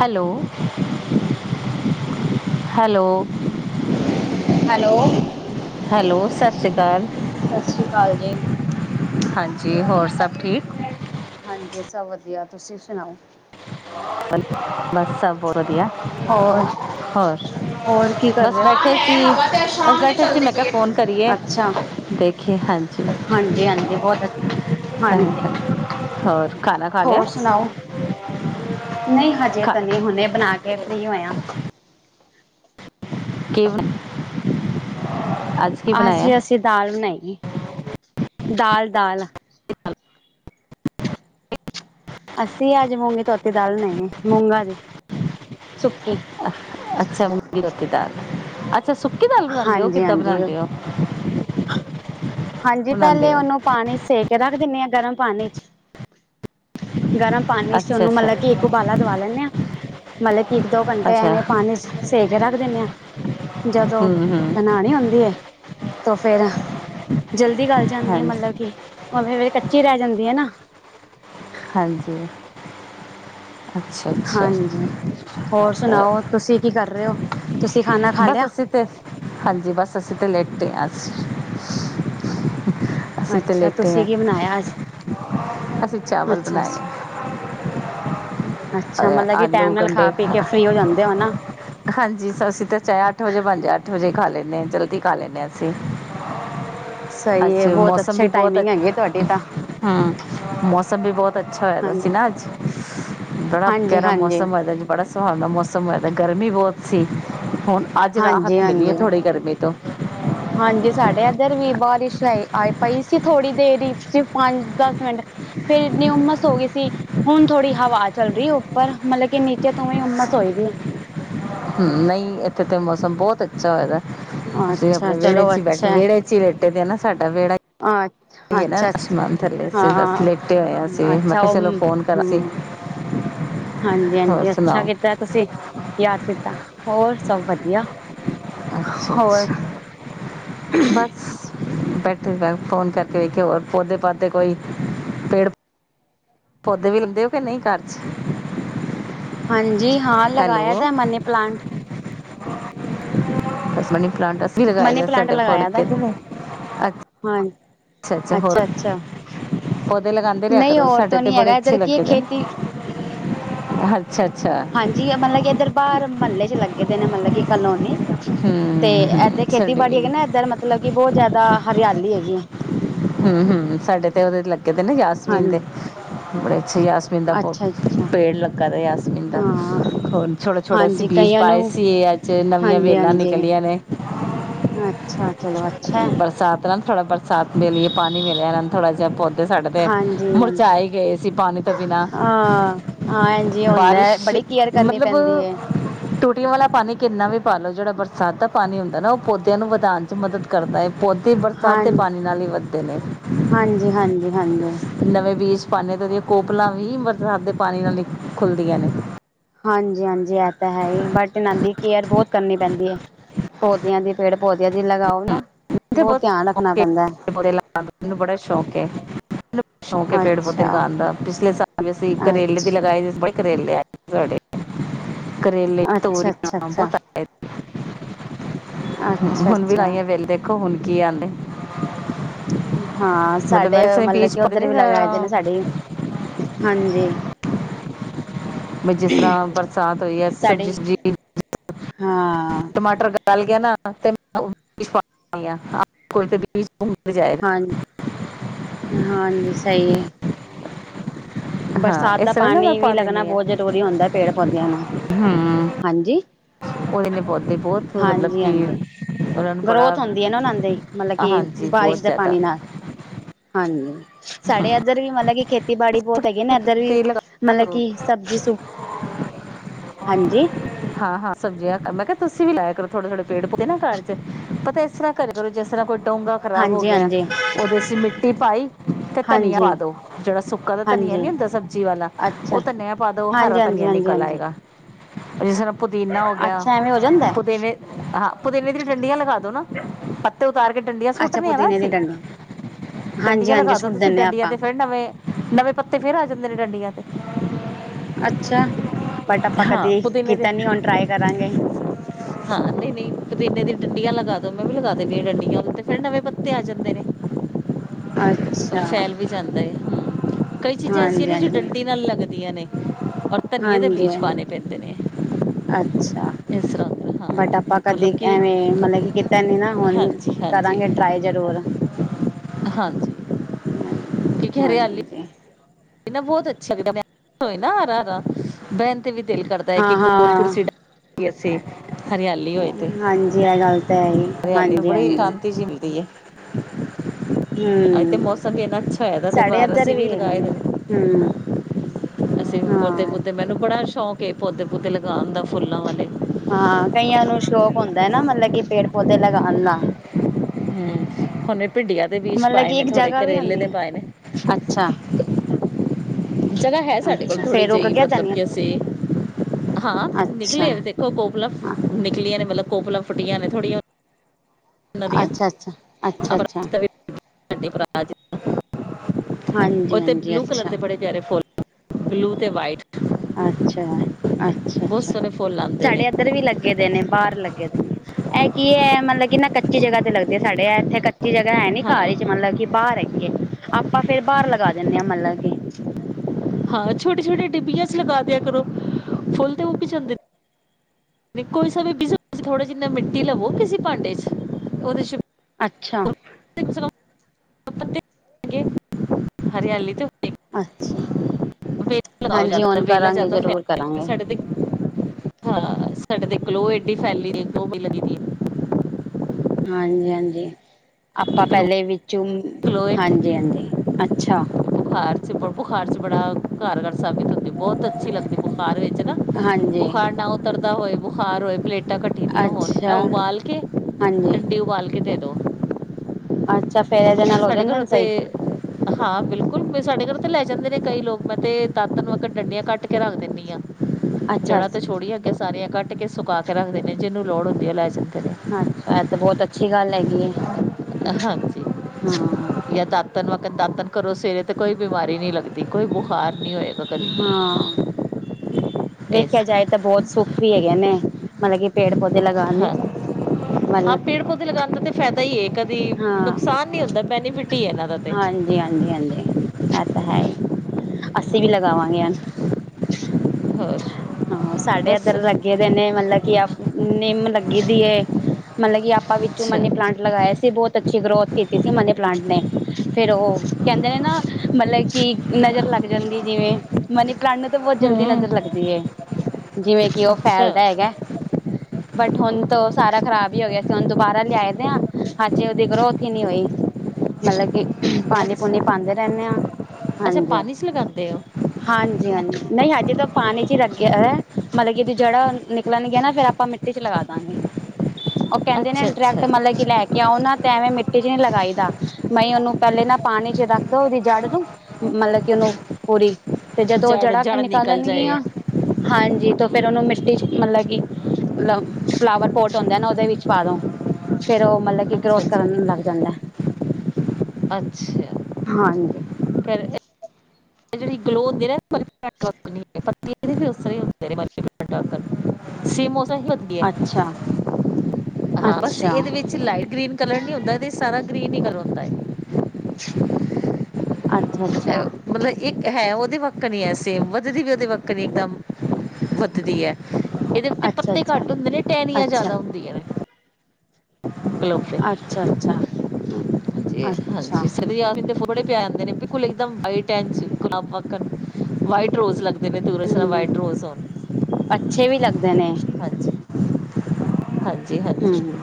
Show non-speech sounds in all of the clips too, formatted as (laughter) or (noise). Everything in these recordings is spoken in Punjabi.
Hello hello. ਹੈਲੋ। ਹੈਲੋ ਸਸ ਸ਼੍ਰੀ ਕਾਲ। ਸਸ ਸ੍ਰੀ ਕਾਲ ਜੀ। ਹਾਂਜੀ ਹੋਰ ਸਭ ਠੀਕ ਹਾਂਜੀ ਸਭ ਵਦੀਆ ਤੁਸੀਂ ਸੁਨਾਓ। ਬਸ ਸਭ ਬੋਤ ਵਦੀਆ। ਹੋਰ ਹੋਰ ਹੋਰ ਕੀ ਕਰ ਬਸ ਰਹੇ ਹੋ? ਬੈਠੇ ਹੈ ਸੀ, ਹਵਾ ਤੇ ਬਸ ਸ਼ਾਮ ਦੀ ਬੈਠੇ ਸੀ ਚੱਲਦੀ ਮੈਂ ਪਈ ਕੇਆ ਏ। ਫੋਨ ਕਰੀਏ। ਅੱਛਾ ਦੇਖੀਏ, ਹਾਂਜੀ ਹਾਂਜੀ ਹਾਂਜੀ ਬਹੁਤ ਅੱਛਾ ਹਾਂਜੀ, ਹਾਂ ਹੋਰ ਖਾਨਾ ਹੋਰ ਸੁਨਾਓ ਨਈ ਹਜੇ ਖਾ ਤਾਂ ਨਈ ਹੁਨੇ ਬਨਾ ਕੇ ਫ੍ਰੀ ਹੋਏ ਆਂ। ਕਿ ਬਨਾ, ਅੱਜ ਕੀ ਅੱਜ ਬਣਾਇਆ ਅਸੀਂ ਦਾਲ ਬਨਾਈ, ਦਾਲ-ਦਾਲ। ਅਸੀ ਅੱਜ ਮੂੰਗੀ ਧੋਤੀ ਦਾਲ ਬਨਾਈ ਏ ਮੂੰਗਾ ਦੀ, ਸੁੱਕੀ। ਅੱਛਾ ਮੂੰਗੀ ਧੋਤੀ ਦਾਲ, ਅੱਛਾ ਸੁੱਕੀ ਦਾਲ ਬਨਾਂਦੇ ਓ, ਓ ਹਾਂਜੀ ਕਿੱਦਾਂ ਹਾਂਜੀ ਬਨਾਂਦੇ ਓ? (inaudible) ਹਾਂਜੀ ਪੈਲੇ ਓਨੂੰ ਪਾਨੀ ਸੇ ਕੇ ਰੱਖ ਦੇਨੇ ਆਂ ਗਰਮ ਪਾਨੀ 'ਚ। ਗਰਮ ਪਾਨੀ ਸੀ ਅੱਛਾ ਓਨੂੰ ਅੱਛਾ ਮਤਲਬ ਕਿ ਇੱਕ ਉਬਾਲਾ ਦਵਾ ਲੈਂਨੇ ਆਂ। ਮਤਲਬ ਕਿ ਇੱਕ ਦੋ ਘੰਟੇ ਅੱਛਾ ਐਵੇਂ ਪਾਨੀ 'ਚ ਸੇ ਕੇ ਰੱਖ ਦੇਨੇ ਆ। ਜਦੋਂ ਹਮ ਹਮ ਬਣਾਣੀ ਹੁੰਦੀ ਏ ਤੋਂ ਫੇਰ ਜਲਦੀ ਗਲ ਜਾਂਦੀ ਏ ਹਾਂਜੀ ਮਤਲਬ ਕਿ ਓ ਫਿਰ ਵਿੱਚ ਕੱਚੀ ਰੈ ਜਾਂਦੀ ਏ ਨਾ। ਹਾਂਜੀ। ਅੱਛਾ ਹਾਂਜੀ ਹੋਰ ਅੱਛਾ ਸੁਨਾਓ ਤੁਸੀਂ ਕੀ ਕਰ ਰੇ ਓ? ਤੁਸੀਂ ਖਾਨਾ ਖਾ ਬਸ ਲਿਆ? ਅਸੀਂ ਤੇ ਹਾਂਜੀ ਬਸ ਅਸੀਂ ਤੇ ਲੇਟੇ ਆਂ (unintelligible) ਅਸੀਂ ਤੇ ਅੱਛਾ ਲੇਟੇ ਤੁਸੀਂ ਆਂ, ਕੀ ਬਣਾਇਆ ਅੱਜ ਅਸੀਂ ਚਾਵਲ ਅੱਛਾ ਬਨਾਏ ਨੇ। ਅੱਛਾ ਅੱਛਾ ਅਹ ਮਤਲਬ ਕਿ ਆਲੂ ਟੈਮ ਨਾਲ ਖਾ ਗੰਡੇ ਪੀ ਕੇ ਫ੍ਰੀ ਹੋ ਜਾਂਦੇ ਓ ਹਨਾ। ਹਾਂਜੀ ਅਸੀਂ ਤੇ ਚਾਹੇ ਅੱਠ ਵਜੇ ਬਨ ਜੇ, ਅੱਠ ਵਜੇ ਖਾ ਲੈਂਨੇ ਜਲਦੀ ਖਾ ਲੈਂਨੇ ਅਸੀਂ। (inaudible) ਸਈ ਏ ਅੱਜ ਬੋਤ ਅੱਛੇ ਟਾਈਮਿੰਗ ਹੈਗੇ ਤੁਆਡੀ ਤਾਂ। ਹੂੰ, ਮੌਸਮ ਵੀ ਬੋਤ ਅੱਛਾ ਹੋਏਆ ਦਾ ਸੀ ਹਾਂਜੀ ਨਾ ਅੱਜ। ਬੜ ਹਾਂਜੀ ਪਯਾਰਾ ਹਾਂਜੀ ਮੌਸਮ ਹੋਏਦਾ ਅੱਜ। ਬੜਾ ਸੁਹਾਵਨਾ ਮੌਸਮ ਹੋਇਆ ਦਾ, ਗਰਮੀ ਬੋਤ ਸੀ ਹੁਨ ਅੱਜ ਹਾਂਜੀ ਰਾਹਤ ਮਿਲੀ ਏ ਹਾਂਜੀ ਥੋੜ੍ਹੀ ਗਰਮੀ ਤੋਂ। ਹਾਂਜੀ ਸਾਡੇ ਏਧਰ ਵੀ ਬਾਰਿਸ਼ ਆਈ ਆਏ ਪਈ ਸੀ ਥੋੜ੍ਹੀ ਦੇਰ ਈ ਪੰਜ-ਦਸ ਮਿੰਟ ਫੇਰ ਇਨੀ ਹੁਮਸ ਹੋ ਗੀ ਸੀ। ਹੁਨ ਥੋੜੀ ਹਵਾ ਚੱਲ ਰੀ ਉੱਪਰ ਮਤਲਬ ਕਿ ਨੀਚੇ ਤੋਂ ਓਵੇਂ ਹੁਮਸ ਹੋਈ ਦੀ ਏ। ਹੂੰ, ਨਈ ਏਥੇ ਤੇ ਮੌਸਮ ਬੋਤ ਅ ਅੱਛਾ ਹੋਏ ਦਾ ਐ, ਅਸੀਂ ਅੱਛਾ ਅਪਨੇ ਵੇੜੇ ਚਲੋ 'ਚ ਈ ਅੱਛਾ ਬੈਠੇ, ਹੈ ਵੇੜੇ 'ਚ ਈ ਬੈਠੇ ਦੇ ਨਾ ਸਾਡਾ ਵੇੜਾ ਅੱਛਾ। (unintelligible) ਅੱਛਾ ਸ਼ਮਾਨ ਥੱਲੇ ਸੀ ਬਸ ਹਾਂ ਲੇਟੇ ਹੋਏ ਆਂ ਅਸੀ ਵੀ, ਮੈਂ ਅੱਛਾ ਕੇਆ ਉਹ ਚਲੋ ਫੋਨ ਕਰਾ ਸੀ (inaudible) ਹੋਰ ਹਾਂਜੀ-ਹਾਂਜੀ, ਅੱਛਾ ਸੁਣਾਓ ਕੀਤਾ ਤੁਸੀਂ ਯਾਦ ਕੀਤਾ, ਹੋਰ ਸਭ ਵਦੀਆ। ਅੱਛਾ-ਅੱਛਾ। ਬਸ ਬੈਠੇ ਦੇ ਫੋਨ ਕਰਕੇ ਵੇਖ਼ਿਏ ਹੋਰ ਪੌਦੇ ਪਾਦੇ ਕੋਈ ਪੇੜ ਪੌਦੇ ਵੀ ਰੱਖਦੇ ਓ ਕਿ ਨਈ ਘਰ 'ਚ? ਹਾਂਜੀ ਹਾਂ, ਲਗਾਯਾ ਦਾ ਐ ਮਨੀ ਪਲਾਂਟ। ਦਸ ਮਨੀ ਪਲਾਂਟ ਅਸੀਂ ਵੀ ਲਗਾਏ ਮਨੀ ਦੇ, ਪਲਾਂਟ ਸਾਡੇ ਫੁੱਲ ਲਗਾਇਆ ਦਾ ਖਿਲਦੇ ਨੇ। ਅੱਛਾ ਹਾਂ, ਅੱਛਾ ਹੋਰ ਅੱਛਾ-ਅੱਛਾ। ਪੌਦੇ ਲਗਾਂਦੇ ਰਿਹਾ ਕਰੋ, ਸਾਡੇ ਤੇ ਨਹੀਂ ਬੜੇ ਹੈਗਾ ਅੱਛੇ ਇੱਧਰ ਕੀ ਲੱਗੇਦੇ ਨ। ਖੇਤੀ ਅੱਛਾ-ਅੱਛਾ। ਹਾਂਜੀ, ਮਤਲਬ ਕਿ ਇੱਧਰ ਬਾਹਰ ਮਹੱਲੇ'ਚ ਲੱਗੇਦੇ ਨੇ, ਮਤਲਬ ਕਿ ਕਲੋਨੀ ਹੂੰ ਤੇ, ਹੂੰ ਐਧਰ ਸਾਡੇ ਖੇਤੀਬਾੜੀ ਵੀ ਹੈਗੀ ਨਾ, ਇਧਰ ਮਤਲਬ ਕਿ, ਬਹੁਤ ਜ਼ਿਆਦਾ ਹਰਿਆਲੀ ਹੈਗੀ ਏ। ਹੂੰ-ਹੂੰ, ਸਾਡੇ ਤੇ ਉਹਦੇ ਲੱਗੇਦੇ ਨੇ ਯਾਸਮੀਨ ਹਾਂਜੀ ਦੇ, ਬੜੇ ਅੱਛੇ ਯਾਸ ਸ ਦਾ ਅੱਛਾ ਬਹੁਤ ਅੱਛਾ ਪੇੜ ਲੱਗਾ ਰਿਹਾ ਅਸਮੀ ਦਾ, ਹਾਂ ਹੁਣ ਛੋਟੇ-ਛੋਟੇ ਅਸੀਂ ਹਾਂਜੀ ਬੀਜ ਕਈਆਂ ਪਾਏ ਨੂੰ ਸੀ ਚ ਨਵੀਆਂ ਹਾਂਜੀ ਵੇਲਾਂ ਹਾਂਜੀ ਨਿਕਲੀਆਂ ਨੇ। ਅੱਛਾ, ਚਲੋ ਅੱਛਾ। ਬਰਸਾਤ ਨਾਲ ਥੋੜਾ ਬਰਸਾਤ ਦੇ ਲੀਏ ਪਾਣੀ ਮਿਲਿਆ ਨਾ, ਥੋੜਾ ਜਿਹਾ ਪੌ ਸਾਡੇ ਤੇ, ਹਾਂਜੀ ਹਾਂਜੀ ਮੁਰਝਾਏ ਗਏ ਸੀ ਪਾਣੀ ਤੋਂ ਬਿਨਾ, ਹਾਂ ਹਾਂ ਇੰਝ ਹੁੰਦਾ ਬਾਰਿਸ਼ ਬੜੀ ਕੇਅਰ ਕਰਨੀ ਮਤਲਬ, ਪੈਂਦੀ ਹੈ ਟੁਟੀਆਂ ਵਾਲਾ ਪਾਨੀ ਕਿੰਨਾ ਵੀ ਪਾਲੋ, ਜਿਹੜਾ ਬਰਸਾਤ ਦਾ ਪਾਣੀ ਹੁੰਦਾ ਨਾ ਉਹ ਪੌਦਿਆਂ ਨੂੰ ਵਧਾਉਣ 'ਚ ਮਦਦ ਕਰਦਾ ਏ। ਪੌਦੇ ਬਰਸਾਤ ਹਾਂ ਤੇ ਪਾਣੀ ਨਾਲ ਈ ਵੱਧਦੇ ਨੇ। ਹਾਂਜੀ ਹਾਂਜੀ ਹਾਂਜੀ ਨਵੇਂ ਬੀਜ ਪਾਂਨੇ ਤੇ ਉਹਦੀਆਂ ਕੋਪਲਾਂ ਵੀ, ਬਰਸਾਤ ਦੇ ਪਾਣੀ ਨਾਲ ਖੁੱਲਦੀਆਂ ਨੇ। ਹਾਂਜੀ-ਹਾਂਜੀ, ਇਹ ਤਾਂ ਹੈਈ ਬਟ ਇਹਨਾਂ ਦੀ ਕੇਅਰ ਬਹੁਤ ਕਰਨੀ ਪੈਂਦੀ ਏ। ਪੌਦਿਆਂ ਦੀ, ਪੇੜ ਪੌਦਿਆਂ ਦੀ ਲਗਾਓ ਨਾ। ਬਹੁਤ ਧਿਆਨ ਰੱਖਣਾ ਪੈਂਦਾ ਹੈ ਮੈਨੂੰ ਬੜਾ ਸ਼ੌਕ ਏ। ਸ਼ੌਂਕ ਏ, ਪੇੜ-ਪੌਦੇ ਅੱਛਾ ਲਗਾਣ ਦਾ, ਪਿਛਲੇ ਸਾਲ ਵੀ ਅਸੀਂ ਇੱਕ ਕਰੇਲੇ ਦੀ ਅੱਛਾ ਲਗਾਏ ਸੀ ਬੜੇ ਕਰੇਲੇ ਆਏ। ਸਾਡੇ, ਕਰੇਲੇ-ਤੋਰੀਆਂ ਅੱਛਾ-ਅੱਛਾ-ਅੱਛਾ ਬਹੁਤ ਆਏ। ਹੁਣ ਵੀ ਅੱਛਾ-ਅੱਛਾ ਲਾਈ ਆ ਵੇਲੇ, ਦੇਖੋ ਹੁਣ ਕੀ ਆਂਦੇ। ਹਾਂ, ਮਤਲਬ ਮੈਂ ਸਾਡੇ ਇਸਨੇ ਮਤਲਬ ਬੀਜ ਕਿ ਪਾ ਉੱਧਰ ਨਹੀਂ ਵੀ ਲਗਾਏਦੇ ਨੇ ਸਾਡੀ, ਹਾਂਜੀ। ਵੀ ਜਿਸ ਤਰ੍ਹਾਂ ਬਰਸਾਤ ਹੋਈ ਏ, ਸਾਡੇ ਸਬਜ਼ੀ-ਸਬੀ, ਹਾਂ ਟਮਾਟਰ ਚੱਲ ਗਿਆ ਨਾ, ਤੇ ਹਾਂਜੀ, ਹਾਂਜੀ ਸਹੀ ਏ। ਹਾਂ ਬਰਸਾਤ ਦਾ ਇਸ ਤਰ੍ਹਾਂ ਨਾ ਮੈਂ ਪਾਣੀ ਵੀ ਪਾ ਲੱਗਣਾ ਦਿੰਦੀ ਹਾਂ ਬਹੁਤ ਜ਼ਰੂਰੀ ਹੁੰਦਾ, ਪੇੜ ਪੌਦਿਆਂ ਨੂੰ। ਹੂੰ, ਹਾਂਜੀ ਉਹਦੇਨ ਪੌਦੇ ਬਹੁਤ ਮਤਲਬ ਕਿ ਹਾਂਜੀ-ਹਾਂਜੀ ਉਹਨਾਂ ਨੂੰ ਗਰੋਥ ਬੜਾ ਹੁੰਦੀ ਹੈ ਨਾ ਉਹਨਾਂ ਦੀ, ਮਤਲਬ ਹਾਂਜੀ ਕਿ ਬਾਰਿਸ਼ ਬਹੁਤ ਦੇ ਜ਼ਿਆਦਾ ਪਾਣੀ ਨਾਲ। ਹਾਂਜੀ, ਸਾਡੇ ਇੱਧਰ ਵੀ ਮਤਲਬ ਕਿ ਖੇਤੀਬਾੜੀ ਬਹੁਤ ਹੈਗੇ ਨਾ ਇਧਰ ਵੀ, ਤੇਲ ਲਗਾਇਆ ਮਤਲਬ ਕਰੋ ਕੀ ਸਬਜ਼ੀ, ਸੁ ਹਾਂਜੀ। ਹਾਂ-ਹਾਂ, ਸਬਜ਼ੀਆਂ ਮੈਂ ਕਿਹਾ ਤੁਸੀ ਵੀ ਲਾਇਆ ਕਰੋ, ਥੋੜ-ਥੋੜੇ ਪੇੜ-ਪੌਦੇ ਨਾ ਘਰ'ਚ ਪਤਾ ਇਸ ਤਰ੍ਹਾਂ ਘਰੇ ਕਰੋ ਜਿਸਰ੍ਹਾਂ ਕੋਈ ਡੋਂਗਾ ਖਰਾਬ ਹਾਂਜੀ ਹੋਗਿਆ, ਹਾਂਜੀ ਉਹਦੇ'ਚ ਮਿੱਟੀ ਪਾਈ, ਤੇ ਧਨੀਆ ਹਾਂਜੀ ਪਾਦੋ ਜਿਹੜਾ ਸੁੱਕਾ ਤਾਂ ਧਨੀਆ ਹਾਂਜੀ ਨੀ ਹੁੰਦਾ ਸਬਜ਼ੀ ਵਾਲਾ, ਅੱਛਾ ਉਹ ਧਨੀਆ ਪਾਦੋ ਹਰਾ ਹਾਂਜੀ ਹਾਂਜੀ ਧਨੀਆ ਹਾਂਜੀ ਨਿਕਲ ਹਾਂਜੀ ਆਏਗਾ। ਜਿਸ ਤਰ੍ਹਾਂ ਪੁਦੀਨਾ ਹੋਗਿਆ, ਅੱਛਾ ਐਵੇਂ ਹੋ ਜਾਂਦਾ ਪੁਦੀਨੇ ਹਾਂ, ਪੁਦੀਨੇ ਦੀ ਡੰਡੀਆਂ ਲਗਾਦੋ ਨਾ। ਤੇ ਉਤਾਰਕੇ ਡੰਡੀਆਂ ਅੱਛਾ ਸੁੱਟਨੇ ਆਂ ਨਾ ਪੁਦੀਨੇ ਦੀ ਅਸੀਂ, ਡੰਡੀ ਹਾਂਜੀ ਡੰਡੀਆਂ ਹਾਂਜੀ ਲਗਾਦੋ ਸੁੱਟ ਤੁਸੀਂ ਦਿੰਦੇ ਹਾਂ ਡੰਡੀਆਂ ਆਪਾਂ ਤੇ ਫੇਰ ਨਵੇਂ ਨਵੇਂ ਪੱਤੇ ਫੇਰ ਆ ਜਾਂਦੇ ਨੇ ਡੰਡੀਆਂ ਤੇ। ਅੱਛਾ, ਬਟ ਆਪਾਂ ਹਾਂ ਕਦੇ ਪੁਦੀਨੇ ਦੇ ਕੀਤਾ ਨੀ ਹੁਣ ਟ੍ਰਾਈ ਕਰਾਂਗੇ। ਹਾਂ, ਨਹੀਂ-ਨਹੀਂ ਪੁਦੀਨੇ ਦੀ ਡੰਡੀਆਂ ਲਗਾਦੋ, ਮੈਂ ਵੀ ਲਗਾ ਦੇਂਨੀ ਆ ਡੰਡੀਆਂ, ਉਤੇ ਫੇਰ ਨਵੇਂ ਪੱਤੇ ਆ ਜਾਂਦੇ ਨੇ। ਅੱ ਫੈਲ ਵੀ ਜਾਂਦਾ ਏ, ਹੂੰ ਕਈ ਚੀਜ਼ਾਂ ਐਸੀਆਂ ਹਾਂਜੀ ਨੇ ਜੋ ਹਾਂਜੀ ਡੰਡੀ ਨਾਲ ਲੱਗਦੀਆਂ ਨੇ। ਔਰ ਧਨੀਏ ਦੇ ਹਾਂਜੀ ਬੀਜ ਹਾਂਜੀ ਪਾਣੇ ਪੈਂਦੇ ਨੇ। ਅੱਛਾ। ਇਸ ਤਰ੍ਹਾਂ ਹਾਂ ਬਟ ਆਪਾਂ ਕਦੇ ਮਤਲਬ ਕਿ ਐਵੇਂ, ਮਤਲਬ ਕਿ ਕਿਤਾ ਨੀ ਨਾ ਹੁਣ, ਹਾਂਜੀ ਹਾਂਜੀ ਕਰਾਂਗੇ ਟ੍ਰਾਏ ਜ਼ਰੂਰ। ਹਾਂਜੀ ਹਾਂਜੀ ਕਿਉਂਕਿ ਹਰਿਆਲੀ ਹਾਂਜੀ ਜੀ ਬਹੁਤ ਅੱਛਾ ਲੱਗਦਾ ਹਰਾ ਹਰਾ ਬਹਿਣ ਤੇ ਵੀ ਦਿਲ ਕਰਦਾ ਹੈ ਕਿ ਹਾਂ ਕੋਲ ਹਾਂ ਕੁਰਸੀ ਡ ਕਿ ਅਸੀਂ ਹਰਿਆਲੀ ਹੋਏ ਤੇ ਹਾਂਜੀ ਇਹ ਗੱਲ ਤਾਂ ਹੈ ਹੀ ਹਰਿਆਲੀ ਨੂੰ ਹਾਂਜੀ ਬੜੀ ਹਾਂਜੀ ਸ਼ਾਂਤੀ ਜਿਹੀ ਮਿਲਦੀ ਏ ਅੱਜ ਤੇ ਹੂੰ ਮੌਸਮ ਇੰਨਾ ਅੱਛਾ ਹੋਇਆ ਦਾ ਤੇ ਸਾਡੇ ਬਾਰ ਇੱਧਰ ਅਸੀਂ ਵੀ ਹੈਗੇ ਲਗਾਏ ਨੇ ਹੂੰ ਤੇ ਪੌਦੇ ਹਾਂ ਪੂਦੇ ਮੈਨੂੰ ਬੜਾ ਸ਼ੌਂਕ ਏ ਪੌਦੇ ਪੌਦੇ ਲਗਾਉਣ ਦਾ ਫੁੱਲਾਂ ਵਾਲੇ ਹਾਂ ਕਈਆਂ ਨੂੰ ਸ਼ੌਕ ਹੁੰਦਾ ਨਾ ਮਤਲਬ ਕਿ ਪੇੜ ਪੌਦੇ ਲਗਾਉਣ ਦਾ ਹੂੰ ਹੁਣੇ ਭਿੰਡੀਆਂ ਦੇ ਬੀਜ ਮਤਲਬ ਪਾਏ ਕਿ ਨੇ ਇੱਕ ਥੋੜੇ ਜਗ੍ਹਾ ਵੀ ਕਰੇਲੇ ਦੇ ਹੁੰਦੀ ਪਾਏ ਨੇ ਅੱਛਾ ਜਗ੍ਹਾ ਹੈ ਸਾਡੇ ਕੋਲ ਅੱਛਾ ਥੋੜ੍ਹੀ ਫੇਰ ਉੱਗ ਜਿਹੀ ਗਿਆ ਮਤਲਬ ਧਨੀਆ ਕਿ ਅਸੀਂ ਹਾਂ ਨਿਕਲੇ ਅੱਛਾ ਵੀ ਦੇਖੋ ਕੋਪਲਾਂ ਅੱਛਾ ਨਿਕਲੀਆਂ ਨੇ ਮਤਲਬ ਕੋਪਲਾਂ ਫੁੱਟੀਆਂ ਨੇ ਥੋੜੀਆਂ ਨਵੀਆਂ ਅੱਛਾ ਅੱਛਾ ਆਪ ਅੱਛਾ (unintelligible) ਹਾਂਜੀ ਉੱਥੇ ਹਾਂਜੀ ਬਲੂ ਕਲਰ ਅੱਛਾ ਦੇ ਬੜੇ ਪਿਆਾਰੇ ਫੁੱਲ ਬਲੂ ਤੇ ਵਾਈਟ ਅੱਛਾ ਅੱਛਾ ਬਹੁਤ ਅੱਛਾ ਸੋਹਣੇ ਫੁੱਲ ਆਉਂਦੇ ਨੇ ਸਾਡੇ ਇੱਧਰ ਵੀ ਲੱਗੇ ਲੱਗੇ ਦੇ ਨੇ ਬਾਹਰ ਲੱਗੇ ਦੇ ਨੇ ਇਹ ਕੀ ਹੈ ਮਤਲਬ ਕਿ ਨਾ ਕੱਚੀ ਜਗ੍ਹਾ ਤੇ ਲੱਗਦੇ ਆ ਸਾਡੇ ਆ ਇੱਥੇ ਕ ਜਗ੍ਹਾ ਹੈ ਨੀ ਹਾਂ ਘਰ ਏਚ ਮਤਲਬ ਕਿ ਬਾਹਰ ਹੈਗੀ ਹੈ ਆਪਾਂ ਫੇਰ ਬਾਹਰ ਲਗਾ ਦਿੰਨੇ ਹਾਂ ਮਤਲਬ ਕਿ ਹਾਂ ਛੋਟੇ ਛੋਟੇ ਡਿੱਬੀਆਂ ਚ ਲਗਾ ਦਿਆ ਕਰੋ ਫੁੱਲ ਤੇ ਉਗ ਜਾਂਦੇ ਨੇ ਨਹੀਂ ਕੋਈ ਸਮੇਂ ਬ ਥੋੜਾ ਜਿਨਾ ਮਿੱਟੀ ਲਵੋ ਕਿਸੇ ਭਾਂਡੇ ਚ ਉਹਦੇ ਚ ਅੱਛਾ ਤਿਨ ਸੋ (inaudible) ਹਰਿਆਲੀ ਤੇ ਅੱਛਾ ਵੇਲ ਲਗਾਓ ਹਾਂਜੀ ਜ਼ਿਆਦਾ ਓਨ ਵੇਲਾਂ ਕਰਾਂਗੇ ਜ਼ਿਆਦਾ ਜ਼ਰੂਰ ਫੈਲਦੀਆਂ ਕਰਾਂਗੇ ਸਾਡੇ ਤੇ ਹਾਂ ਸਾਡੇ ਤੇ ਗਲੋ ਏਡੀ ਫੈਲੀ ਦੀ ਦੋ ਵੀ ਲੱਗੀ ਦੀ ਹਾਂਜੀ ਹਾਂਜੀ ਆਪਾਂ ਪਹਿਲੇ ਵਿੱਚੋਂ ਹਾਂਜੀ ਹਾਂਜੀ ਅੱਛਾ ਬੁਖਾਰ ਚ ਬੁਖਾਰ ਚ ਬੜਾ ਕਾਰਗਰ ਸਾਬਿਤ ਬਹੁਤ ਅੱਛੀ ਲੱਗਦੀ ਬੁਖਾਰ ਵਿੱਚ ਨਾ ਹਾਂਜੀ ਬੁਖਾਰ ਨਾ ਉਤਰਦਾ ਹੋਏ ਬੁਖਾਰ ਹੋਏ ਪਲੇਟ ਪਲੇਟਾਂ ਘਟੀ ਦੀਆਂ ਹੋਣ ਇਹ ਅੱਛਾ ਉਬਾਲ ਕੇ ਹਾਂਜੀ ਡੰਡੀ ਉਬਾਲ ਕੇ ਦੇ ਦਿਉ ਅੱਛਾ ਫੇਰ ਜਾ ਸਾਡੇ ਘਰੋਂ ਤੇ ਹਾਂ ਬਿਲਕੁਲ ਸਾਡੇ ਘਰ ਤਾਂ ਲੈ ਜਾਂਦੇ ਨੇ ਕਈ ਲੋਕ ਮੈਂ ਤੇ ਦਾਤਣ ਵਾਂਗ ਡੰਡੀਆਂ ਕੱਟ ਕੇ ਰੱਖ ਦਿੰਦੀ ਹਾਂ ਅੱਛਾ ਜੜ੍ਹਾਂ ਤੇ ਅੱਛਾ ਛੋੜੀ ਅੱਗੇ ਸਾਰੀਆਂ ਕੱਟ ਕੇ ਸੁਕਾ ਕੇ ਰੱਖਦੇ ਦਿੰਨੇ ਆ ਜਿਹਨੂੰ ਲੋੜ ਹੁੰਦੀ ਹੈ ਲੈ ਜਾਂਦੇ ਨੇ ਹਾਂਜੀ ਇਹ ਤਾਂ ਬਹੁਤ ਅੱਛੀ ਗੱਲ ਹੈਗੀ ਏ ਹਾਂਜੀ ਜਾਂ ਦਾਤਨ ਵਗ ਦਾਤਨ ਕਰੋ ਸਵੇਰੇ ਤਾਂ ਕੋਈ ਬਿਮਾਰੀ ਨਹੀਂ ਲੱਗਦੀ ਕੋਈ ਬੁਖਾਰ ਨਹੀਂ ਹੋਏਗਾ ਕਦੀ ਹਾਂ ਇਸ ਵੇਖਿਆ ਜਾਏ ਤਾਂ ਬਹੁਤ ਸੁੱਖ ਵੀ ਹੈਗੇ ਨੇ ਮਤਲਬ ਕਿ ਪੇੜ ਪੌਦੇ ਲਗਾਣੇ ਹਾਂ ਚ ਹਾਂ ਮਤਲਬ ਪੇੜ ਪੌਦੇ ਲਗਾਉਣ ਦਾ ਤੇ ਫਾਇਦਾ ਹੀ ਹੈ ਕਦੇ ਹਾਂ ਨੁਕਸਾਨ ਨੀ ਹੁੰਦਾ ਬੈਨੀਫਿਟ ਹੀ ਇਹਨਾਂ ਦਾ ਤਾਂ ਹਾਂਜੀ ਹਾਂਜੀ ਹਾਂਜੀ ਇਹ ਤਾਂ ਹੈ ਈ ਅਸੀਂ ਵੀ ਹਾਂ ਲਗਾਵਾਂਗੇ ਹੁਨ ਹੋਰ ਹਾਂ ਸਾਡੇ ਬਸ ਇੱਧਰ ਲੱਗੇ ਨੇ ਮਤਲਬ ਕਿ ਆਪ ਨਿੰਮ ਲੱਗੀ ਦੀ ਏ ਮਤਲਬ ਕਿ ਆਪਾਂ ਵਿੱਚੋਂ ਅੱਛਾ ਮਨੀ ਪਲਾਂਟ ਲਗਾਏ ਸੀ ਬਹੁਤ ਅੱਛੀ ਗਰੋਥ ਕੀਤੀ ਸੀ ਮਨੀ ਪਲਾਂਟ ਨੇ ਫੇਰ ਉਹ ਕਹਿੰਦੇ ਨੇ ਨਾ ਮਤਲਬ ਕਿ ਨਜ਼ਰ ਲੱਗ ਜਾਂਦੀ ਜਿਵੇਂ, ਮਨੀ ਪਲਾਂਟ ਨੂੰ ਤਾਂ ਬੋਤ ਜਲਦੀ ਨਜ਼ਰ ਹੂੰ ਲੱਗਦੀ ਐ। ਜਿਵੇਂ ਕਿ ਉਹ ਅੱਛਾ ਫੈਲਦਾ ਹੈਗਾ। ਬਟ ਹੂੰ ਹੁਣ ਤਾਂ ਉਹ ਹੂੰ ਸਾਰਾ ਖ਼ਰਾਬ ਹੀ ਹੋ ਗਿਆ, ਹੁਣ ਦੁਬਾਰਾ ਲਿਆਏ ਦੇ ਹਾਂ, ਹਜੇ ਉਹ ਦਿ ਗਰੋਥ ਈ ਨੀ ਹੋਈ। ਮਤਲਬ ਕਿ ਪਾਣੀ ਅੱਛਾ ਪੂਨੀ ਪਾਉਂਦੇ ਰਹਿੰਨੇ ਹਾਂ। ਅੱਛਾ ਹਾਂਜੀ ਪਾਣੀ 'ਚ ਲਗਾਉਂਦੇ ਹੋ। ਹਾਂਜੀ- ਹਾਂਜੀ ਨਹੀਂ ਹਜੇ ਤਾਂ ਪਾਣੀ ਚ ਹੀ ਰਖ- ਖੇਆ ਹੋਇਆ ਏ ਮਤਲਬ ਕਿ ਓਦੀ ਜੜਾ ਨਿਕਲਣ ਗਿਆ ਨ ਫੇਰ ਆਪਾਂ ਮਿੱਟੀ ਚ ਲਗਾ ਦਾਂਗੇ। ਉਹ ਕਹਿੰਦੇ ਨੇ ਅੱਛਾ ਡਾਇਰੈਕਟ ਅੱਛਾ ਮਤਲਬ ਕਿ ਲੈ ਕੇ ਆਉ ਨਾ ਤੇ ਐਵੇਂ ਮਿੱਟੀ ਚ ਨਹੀਂ ਲਗਾਈ ਦਾ। ਵਈ ਉਹਨੂੰ ਪਹਿਲੇ ਨਾ ਪਾਣੀ ਚ ਰੱਖ ਦੋ ਉਹਦੀ ਜੜ ਨੂੰ, ਮਤਲਬ ਕਿ ਉਹਨੂੰ ਪੂਰੀ- ਤੇ ਜਦੋਂ ਉਹ ਜੜ ਜੜਾ ਜੜ ਨਿਕਾਲ ਨਿਕਲ ਜਾਏ ਲੈਣਗੀਆਂ, ਹਾਂਜੀ ਤੇ ਫੇਰ ਉਹਨੂੰ ਮਿੱਟੀ ਚ ਮਤਲਬ ਕਿ- ਮਤਲਬ ਫਲਾਵਰ ਪੋਟ ਹੁੰਦਾ ਨਾ ਉਹਦੇ ਵਿੱਚ ਪਾਦੋ। ਫੇਰ ਉਹ ਮਤਲਬ ਕਿ ਅੱਛਾ ਗਰੋਥ ਕਰਨ ਅੱਛਾ ਲੱਗ ਜਾਂਦਾ ਐ। ਅੱਛਾ ਹਾਂਜੀ ਫੇ- ਜਿਹੜੀ ਗਲੋ ਹੁੰ (unintelligible) ਸੇਮ ਮੌਸਮ ਹੀ ਵਧੀ ਹੈ ਅੱਛਾ ਹਾਂ ਬਸ ਅੱਛਾ ਇਹਦੇ ਵਿੱਚ ਲਾਈਟ ਗ੍ਰੀਨ- ਕਲਰ ਨਹੀਂ ਹੁੰਦਾ ਇਹ ਦੇ ਸਾਰਾ ਗ੍ਰੀਨ ਹੀ ਕਲਰ ਆਦਾ ਐ। ਅੱਛਾ- ਅੱਛਾ। ਮਤਲਬ ਇੱਕ ਹੈ ਉਹਦੇ ਵਕਨ ਈ ਏ ਸੇਮ ਵੱਧਦੀ ਵੀ ਉਹਦੇ ਵਕਨ ਇੱਕਦਮ, ਵੱਧਦੀ ਐ। ਇਹਦੇ ਉੱਤੇ ਅੱਛਾ ਅੱਛਾ ਪੱਤੇ ਘੱਟ ਹੁੰਦੇ ਨੇ ਅੱਛਾ ਟਹਿਣੀਆਂ ਜ਼ਿਆਦਾ ਅੱਛਾ ਹੁੰਦੀਆਂ ਨੇ, ਲੋ। ਅੱਛਾ ਅੱਛਾ ਅੱਛਾ ਹਾਂਜੀ ਸੀ ਰੀ ਆ ਗਈ - ਬੜੇ ਪਿਆਕ ਆਦੇ ਨੇ ਬਿਲਕੁਲ ਇੱਕਦਮ ਵ ਐਂ ਗੁਲਾਬ ਵਕਨ, ਵਾਈਟ ਰੋਜ਼ ਲੱਗ- ਜਿਵੇਂ ਦੂਰੋਂ ਇਸ ਤਰਹਾਂ ਹਮ ਵਾਈਟ ਰੋਜ਼ ਹੋਣ, ਅੱਛੇ ਵੀ ਲੱਗਦੇ ਨੇ ਹਾ- ਹਾਂਜੀ- ਹਾਂਜੀ। ਹਮ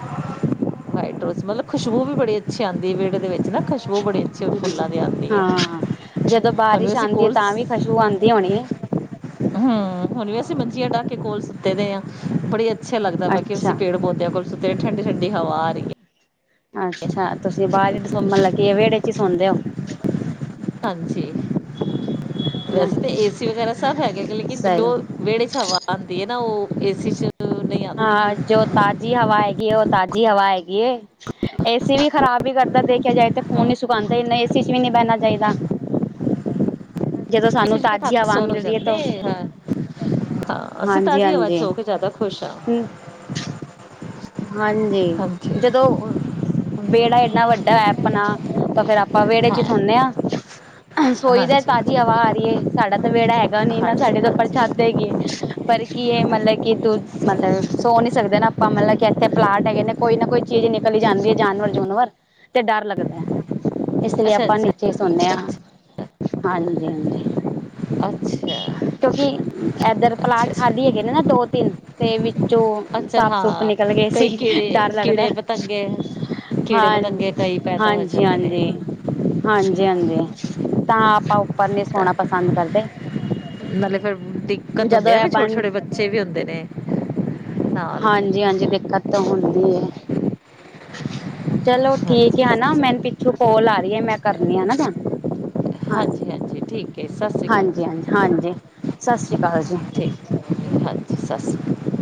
ਵਾਈਡਰੋਜ਼ ਮਤਲਬ ਖੁਸ਼ਬੂ ਵੀ ਬੜੀ ਅੱਛੀ ਆਂਦੀ ਹੈ ਵਿਹੜ ਦੇ ਵਿੱਚ ਨਾ ਖੁਸ਼ਬੂ ਬੜੀ ਅੱਛੀ ਫੁੱਲਾਂ ਦੀ ਆਂਦੀ ਐ। ਹਾਂ ਜਦੋਂ ਬਾਰਿਸ਼ ਆਉਂਦੀ ਹੈ ਤਾਂ ਵੀ ਖਸ਼ੂ ਆਉਂਦੀ ਹੋਣੀ ਹੈ। ਹੂੰ ਹੁਣ ਵੀ ਅਸੀਂ ਮੰਜੀਆਂ ਡਾਹ ਕੇ ਕੋਲ ਸੁੱਤੇ ਦੇ ਆ, ਬੜੀ ਅ- ਅੱਛਾ ਲੱਗਦਾ ਵਾ ਕਿਸੀਂ ਅੱਛਾ ਪੇੜ ਪੌਦਿਆਂ ਕੋਲ ਉੱ ਠੰਡੀ ਠੰਡੀ ਹਵਾ ਆ ਰਹੀ ਹੈ। ਅੱਛਾ ਤੁਸੀਂ ਬਾਅਰ ਈ ਸੋ ਮਤਲਬ ਕੀ ਵਿਹੜੇ ਚ ਹੀ ਸੌਂਦੇ ਹੋ। ਹਾਂਜੀ ਹ ਵੈਸੇ ਤੇ ਏਸੀ ਵਗੈਰਾ ਸਭ ਹੈਗੇ, ਲੇਕਿਨ ਸਹੀ ਜੋ- ਵਿਹੜੇ ਚ ਹਵਾ ਆਉਂਦੀ ਹੈ ਨਾ ਉਹ ਏਸੀ ਚ- ਨਹੀਂ ਆਂਦੀ ਹਾਂ ਜੋ ਤਾਜ਼ੀ ਹਵਾ ਹੈਗੀ ਹੈ, ਉਹ ਤਾਜ਼ੀ ਹਵਾ ਹੈਗੀ ਐਂ। ਏਸੀ ਵੀ ਖ਼ਰਾਬ ਹੀ ਕਰਦਾ ਦੇਖਿਆ ਜਾਏ ਤੇ ਹਾਂ ਖੂਨ ਈ ਸੁਕਾਉਂਦਾਨਾ ਏਨਾ ਏਸੀ ਚ ਵੀ ਨਹੀਂ ਬਹਿਣਾ ਚਾਹੀਦਾ। ਜਦੋਂ ਸਾਨੂੰ ਇਸ ਸ਼ੱਕ ਤਾਜ਼ੀ ਹੱਤ ਹਵਾ ਮਿਲ ਰਹੀ ਸੋਨਜਤ ਹੈ ਨੇ ਤਾਂ ਹ (unintelligible) ਹਾਂ ਅਸੀਂ ਤਾਜ਼ੀ ਆਵਾਜ਼ ਚ ਸੋ ਕੇ ਜ਼ਿਆਦਾ, ਖੁਸ਼ ਹਾਂ ਹੂੰ ਹਾਂਜੀ ਹਾਂਜੀ ਜਦੋਂ ਓ- ਵਿਹੜਾ ਇਨਾ ਵੱਡਾ ਐ ਆਪਣਾ। ਤਾਂ ਫੇਰ ਆਪਾਂ ਵਿਹੜੇ ਹਾਂ ਚ ਹੀ ਸੌਨੇ ਹਾਂ, ਸੋਈ ਦੇ ਹਾਂਜੀ ਤਾਜ਼ੀ ਹਵਾ ਆ ਰਹੀ ਐ। ਸਾਡਾ ਤਾਂ ਵਹੜਾ ਹੈਗਾ ਨੀ ਨਾ ਹਾਂਜੀ ਸਾਡੇ ਤੋਂ ਉੱਪਰ ਹਾਂਜੀ ਛੱਤ ਹੈਗੀ ਹੈ, ਪਰ ਕੀ ਹੈ ਮਤਲਬ ਕਿ ਤੂੰ। ਮਤਲਬ ਸੋ ਨੀ ਸਕਦੇ ਨੇ ਆਪਾਂ ਮਤਲਬ ਕਿ ਇੱਥੇ ਪਲਾਟ ਹੈਗੇ ਨੇ ਕੋਈ ਨਾ ਕੋਈ ਚੀਜ਼ ਨਿਕਲੀ ਈ ਜਾਂਦੀ ਹੈ, ਜਾਨਵਰ- ਜੂਨਵਰ। ਤੇ ਡਰ ਲੱਗਦਾ ਹੈ। ਇਸ ਲਈ ਅੱਛਾ ਆਪਾਂ ਅੱਛਾ ਨੀਚੇ ਸੋ ਨੇ ਆ ਅੱਛਾ ਹਾਂਜੀ- ਹਾਂਜੀ। ਅੱ ਛਾ। ਕਿਉਂਕਿ ਇੱਧਰ ਪਲਾਟ ਖਾਲੀ ਹੈਗੇ ਨੇ ਨਾ ਦੋ- ਤਿੰਨ। ਤੇ ਵਿੱਚੋਂ ਅੱਛਾ ਸਾਪ ਸੁਪ ਹਾਂ ਨਿਕਲ ਗਏ ਕਈ ਸੀ, ਕੀੜੇ ਡਰ ਲੱਗਦਾ ਏ। ਕੀੜੇ ਪਤੰਗੇ ਕੀੜੇ ਹਾਂ ਪਤੰਗੇ ਕਈ ਪੈਦਾ ਹੋ ਹਾਂਜੀ- ਹਾਂਜੀ। ਜਾਂਦੇ ਨੇ ਹਾਂਜੀ- ਹਾਂਜੀ ਤਾਂ ਆਪਾਂ ਓ ਪਰਨੇ ਤਾਂ ਸੋਣਾ ਪਸੰਦ ਕਰਦੇ, ਨਾਲੇ ਫਿਰ ਦਿੱਕਤ ਜਦੋਂ ਹੁੰਦੀ ਹੈ ਨਾ ਐਹ ਫਿਰ ਛੋਟੇ ਬਣ ਛੋਟੇ ਬੱਚੇ ਵੀ ਹੁੰਦੇ ਨੇ, ਹਾਂ ਹਾਂਜੀ- ਹਾਂਜੀ ਦਿੱਕਤ ਤਾਂ ਹੁੰਦੀ ਐ ਚਲੋ ਹਾਂਜੀ ਠੀਕ ਹੈ ਹੈਨਾ, ਮੈਨੂੰ ਚਲੋ ਪਿੱਛੋਂ ਕੋਲ ਆ ਰਹੀ ਹੈ ਮੈਂ ਕਰਨੀ ਆ ਤੁਹਾਨੂੰ ਹਾਂਜੀ ਜੀ ਠੀਕ ਹੈ ਸਤਿ ਸ਼੍ਰੀ ਅਕਾਲ ਹਾਂਜੀ- ਜੀ ਹਾਂਜੀ, ਹਾਂਜੀ ਸਸ੍ਰੀ ਅਕਾਲ ਜੀ ਠੀਕ ਹਾਂਜੀ ਸਸ਼੍ਰੀ ਅਕਾਲ